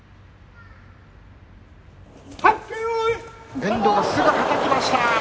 遠藤がすぐ、はたきました。